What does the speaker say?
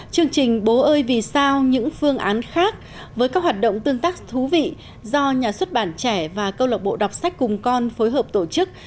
chương trình bố ơi vì sao những phương án khác với các hoạt động tương tác thú vị do nhà xuất bản trẻ và câu lạc bộ đọc sách cùng con phối hợp tổ chức